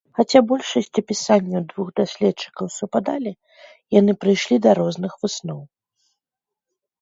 Хаця большасць апісанняў двух даследчыкаў супадалі, яны прыйшлі да розных высноў.